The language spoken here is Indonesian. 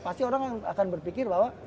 pasti orang yang akan berpikir bahwa